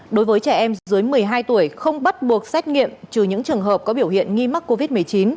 đối với trẻ em dưới một mươi hai tuổi không bắt buộc xét nghiệm trừ những trường hợp có biểu hiện nghi mắc covid một mươi chín